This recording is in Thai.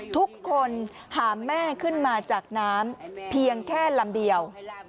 ทุกคนหาแม่ขึ้นมาจากน้ำเพียงแค่ลำเดียว